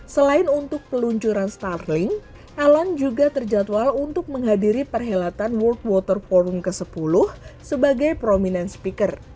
selain untuk peluncuran starling alan juga terjadwal untuk menghadiri perhelatan world water forum ke sepuluh sebagai prominent speaker